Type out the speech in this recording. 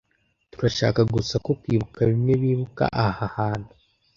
Turashaka gusa ko kwibuka bimwe bibuka aha hantu cyane